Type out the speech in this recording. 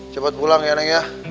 cepat pulang ya neng ya